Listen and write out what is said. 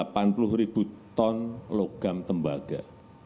atau empat ratus delapan puluh ribu ton logam tembaga